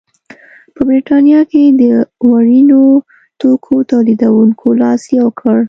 په برېټانیا کې د وړینو توکو تولیدوونکو لاس یو کړ.